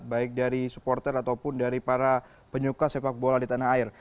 baik dari supporter ataupun dari para penyuka sepak bola di tanah air